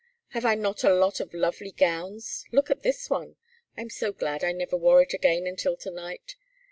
Have I not a lot of lovely gowns? Look at this one! I am so glad I never wore it again until to night.